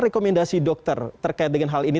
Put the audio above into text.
rekomendasi dokter terkait dengan hal ini